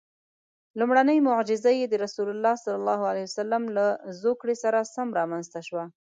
لومړنۍ معجزه یې د رسول الله له زوکړې سره سم رامنځته شوه.